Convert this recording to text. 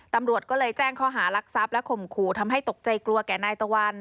ตำรวจก็เลยแจ้งข้อหารักทรัพย์และข่มขู่ทำให้ตกใจกลัวแก่นายตะวัน